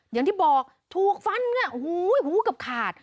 อย่างที่บอกถูกฟันนี่โอ้โหกับขาด